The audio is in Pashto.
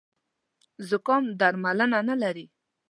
زوکام درملنه نه لري